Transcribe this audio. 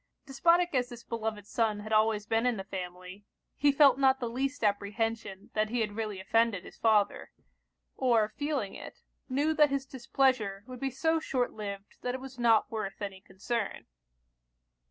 Despotic as this beloved son had always been in the family, he felt not the least apprehension that he had really offended his father; or feeling it, knew that his displeasure would be so short liv'd that it was not worth any concern.